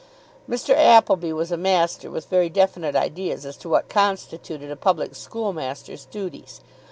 Mr. Appleby was a master with very definite ideas as to what constituted a public school master's duties.